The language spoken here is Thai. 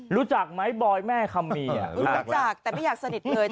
รู้จักไหมบอยแม่คำมีรู้จักแต่ไม่อยากสนิทเลย